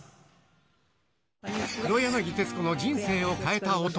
黒柳徹子の人生を変えた音。